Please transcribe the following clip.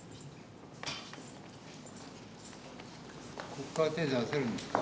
ここから手出せるんですか？